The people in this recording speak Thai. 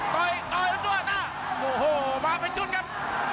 ปล่อยปล่อยลำตัวหน้าโอ้โหมาเป็นจุดครับ